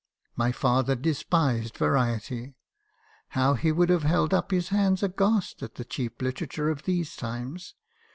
My father despised variety; how he would have held up his hands aghast at the cheap literature of these times